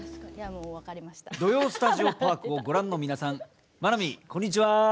「土曜スタジオパーク」をご覧の皆さん愛未、こんにちは。